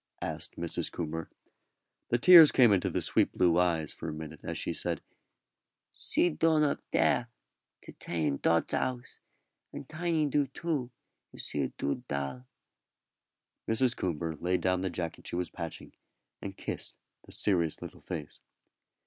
asked Mrs. Coomber. The tears came into the sweet blue eyes for a minute as she said, "See dorn up dere, to tay in Dod's house, and Tiny do too if see a dood dal." Mrs. Coomber laid down the jacket she was patching, and kissed the serious little face.